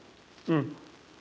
うん。